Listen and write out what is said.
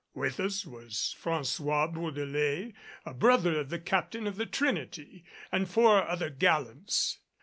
With us was François Bourdelais, a brother of the captain of the Trinity, and four other gallants.